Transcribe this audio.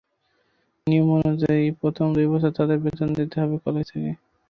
নিয়ম অনুযায়ী প্রথম দুই বছর তাঁদের বেতন দিতে হবে কলেজ থেকে।